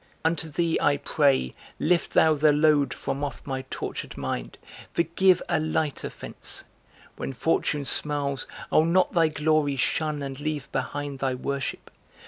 Unto thee I pray Lift thou the load from off my tortured mind, Forgive a light offense! When fortune smiles I'll not thy glory shun and leave behind Thy worship!